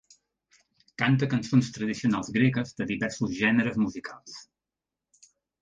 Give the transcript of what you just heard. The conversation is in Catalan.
Canta cançons tradicionals gregues de diversos gèneres musicals.